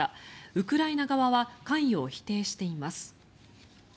ウクライナ側は関与を否定しています。